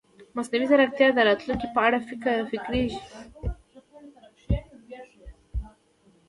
مصنوعي ځیرکتیا د راتلونکي په اړه فکر ژوروي.